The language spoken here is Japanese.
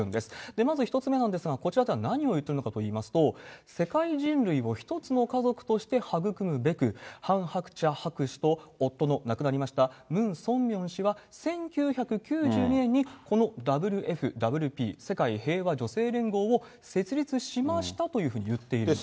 まず１つ目なんですが、こちらでは何を言ってるのかというと、世界人類を一つの家族として育むべく、ハン・ハクチャ博士と夫の、亡くなりました、ムン・ソンミョン氏は１９９２年に、このＷＦＷＰ・世界平和女性連合を設立しましたというふうに言っているんです。